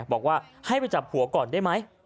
บอกว่าให้ไปจับผัวก่อนได้ไหม